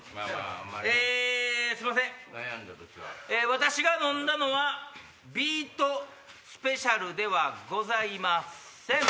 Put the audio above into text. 私が飲んだのはビートスペシャルではございません。